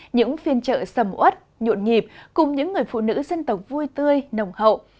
những phiên trợ sầm út nhuộn nhịp cùng những người phụ nữ dân tộc vui tươi nồng hậu